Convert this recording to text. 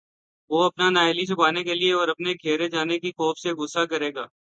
وہ اپنی نااہلی چھپانے کے لیے اور اپنے گھیرے جانے کے خوف سے غصہ کرے گا